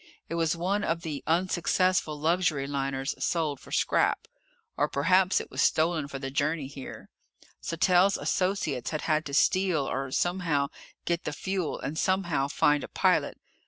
It was one of the unsuccessful luxury liners sold for scrap. Or perhaps it was stolen for the journey here. Sattell's associates had had to steal or somehow get the fuel, and somehow find a pilot.